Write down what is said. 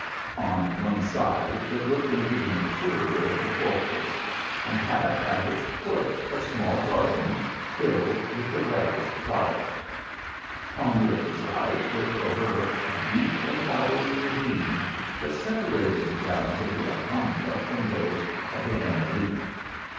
On one side it looked into the interior of the fortress, and had at its foot a small garden filled with the rirest flowers. On the other side it overlooked a deep embowered ravine, that separated the grounds of the Alhambra from those of the Generaliffe.